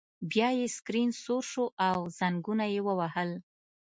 بیا یې سکرین سور شو او زنګونه یې ووهل